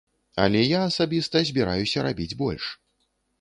Але я асабіста збіраюся рабіць больш.